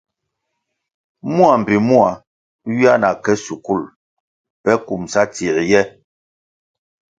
Mua mbpi mua ywia na ke shukul pe kumʼsa tsie ye.